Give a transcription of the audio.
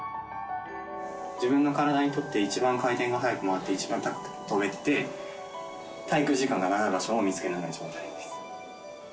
自分の体にとって、一番回転が速く回って一番高く跳べて、滞空時間が長い場所を見つけるのが一番大変です。